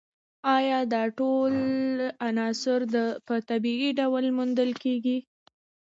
ایا دا ټول عناصر په طبیعي ډول موندل کیږي